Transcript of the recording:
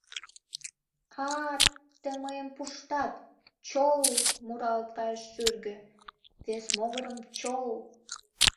— А-а-а, тый мыйым пуштат! — чол-л муралт кайыш шӱргӧ, вес могырым — чол!